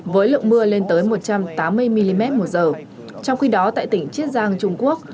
với lượng mưa lên tới một trăm tám mươi mm một giờ trong khi đó tại tỉnh chiết giang trung quốc